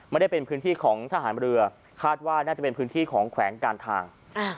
ไม่ได้เป็นพื้นที่ของทหารเรือคาดว่าน่าจะเป็นพื้นที่ของแขวงการทาง